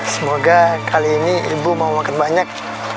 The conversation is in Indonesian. semoga kali ini ibu mau makan banyak